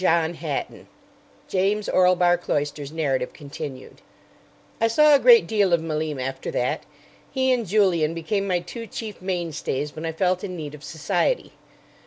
JOHN HATTON (James Orlebar Cloyster's narrative continued) I saw a great deal of Malim after that. He and Julian became my two chief mainstays when I felt in need of society.